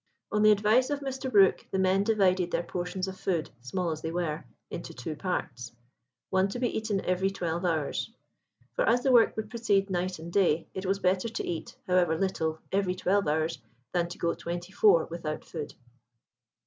On the advice of Mr. Brook the men divided their portions of food, small as they were, into two parts, one to be eaten every twelve hours; for as the work would proceed night and day, it was better to eat, however little, every twelve hours, than to go twenty four without food.